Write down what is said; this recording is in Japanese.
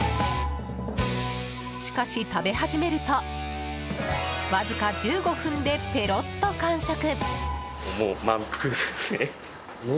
しかし、食べ始めるとわずか１５分でペロッと完食。